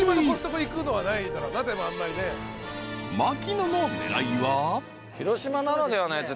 ［槙野の狙いは］